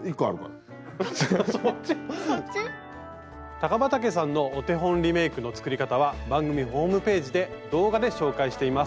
高畠さんのお手本リメイクの作り方は番組ホームページで動画で紹介しています。